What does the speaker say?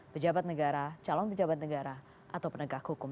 pejabat negara calon pejabat negara atau penegak hukum